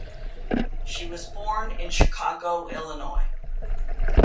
She was born in Chicago, Illinois.